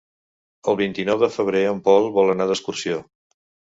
El vint-i-nou de febrer en Pol vol anar d'excursió.